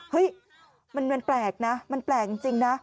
เฮ้ยมันแปลกนะมันแปลกจริงนะ